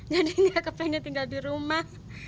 jadinya kepengen tinggal di rumah